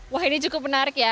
wah ini cukup menarik ya